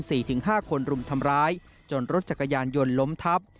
ถึงห้าคนรุมทำร้ายจนรถจักรยานยนต์ล้มทับ